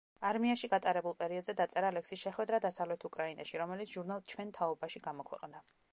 არმიაში გატარებულ პერიოდზე დაწერა ლექსი „შეხვედრა დასავლეთ უკრაინაში“, რომელიც ჟურნალ „ჩვენ თაობაში“ გამოქვეყნდა.